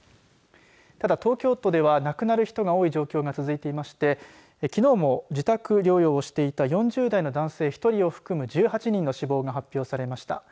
ただ、東京都では亡くなる人が多い状況が続いていましてきのうも自宅療養をしていた４０代の男性１人を含む１８人の死亡が発表されました。